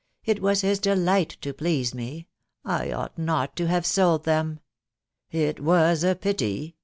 ... It was his delight to please me .... I ought not to have sold them." " It was a pity